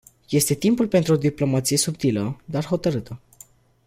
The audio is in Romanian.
Este timpul pentru o diplomație subtilă, dar hotărâtă.